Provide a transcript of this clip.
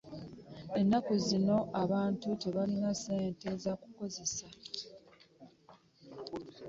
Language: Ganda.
Ennaku zino abantu tebalina ssente zakukozesa.